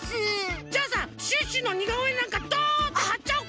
じゃあさシュッシュのにがおえなんかドンとはっちゃおうか！